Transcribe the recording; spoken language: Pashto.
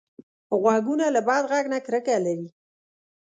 غوږونه له بد غږ نه کرکه لري